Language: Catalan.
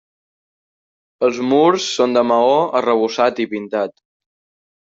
Els murs són de maó arrebossat i pintat.